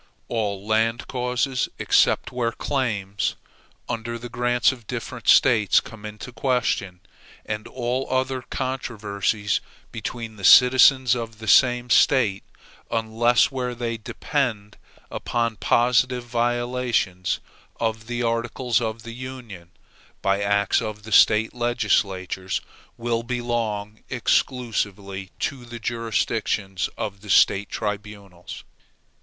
All land causes, except where claims under the grants of different States come into question, and all other controversies between the citizens of the same State, unless where they depend upon positive violations of the articles of union, by acts of the State legislatures, will belong exclusively to the jurisdiction of the State tribunals.